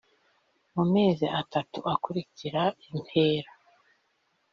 mu mezi atatu akurikira impera